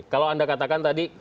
kalau anda katakan tadi